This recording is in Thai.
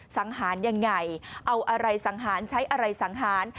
สังหารยังไงเอาอะไรสังหารใช้อะไรสังหาร